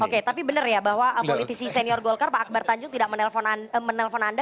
oke tapi benar ya bahwa politisi senior golkar pak akbar tanjung tidak menelpon anda